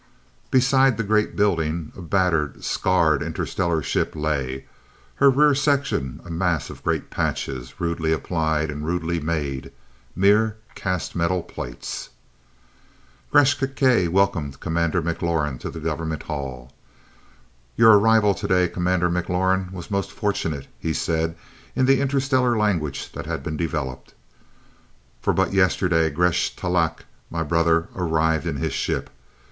Beside the great buildings, a battered, scarred interstellar ship lay, her rear section a mass of great patches, rudely applied, and rudely made, mere cast metal plates. Gresth Gkae welcomed Commander McLaurin to the Government Hall. "Your arrival today, Commander McLaurin, was most fortunate," he said in the interstellar language that had been developed, "for but yesterday Gresth Talak, my brother, arrived in his ship.